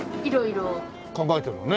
考えてるのね。